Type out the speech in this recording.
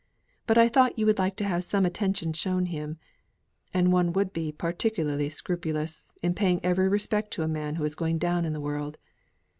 But I thought you would like to have some attention shown him: and one would be particularly scrupulous in paying every respect to a man who is going down in the world."